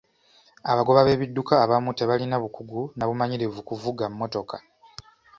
Abagoba b'ebidduka abamu tebalina bukugu na bumanyirivu kuvuga mmotoka.